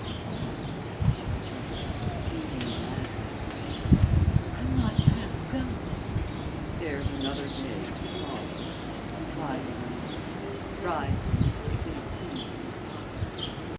"Oh!" she protested, with a pleading glance his way, "I'm not half done." "There's another day to follow," he dryly remarked, rising and taking a key from his pocket.